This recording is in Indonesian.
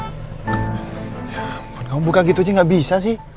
ya ampun kamu buka gitu aja gak bisa sih